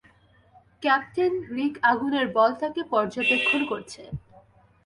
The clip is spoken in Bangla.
ক্যাপ্টেন, রিক আগুনের বলটাকে পর্যবেক্ষণ করছে।